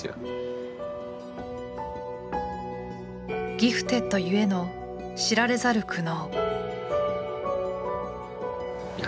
ギフテッドゆえの知られざる苦悩。